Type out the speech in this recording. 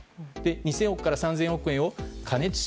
２０００から３０００億円を加熱式